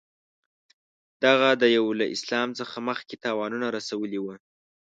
دغه دېو له اسلام څخه مخکې تاوانونه رسولي وه.